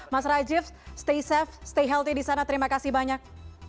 mas rajif stay safe stay healthy di sana terima kasih banyak